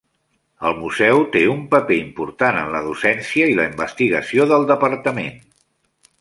El museu té un paper important en la docència i la investigació del Departament.